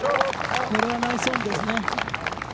これはナイスオンですね。